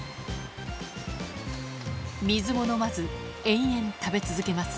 水も飲まず延々食べ続けます